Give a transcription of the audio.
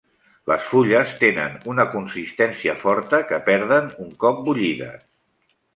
Les fulles tenen una consistència forta que perden un cop bullides.